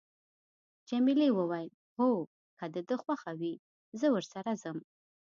جميلې وويل: هو، که د ده خوښه وي، زه ورسره ځم.